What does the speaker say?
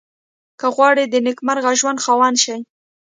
که غواړئ د نېکمرغه ژوند خاوند شئ.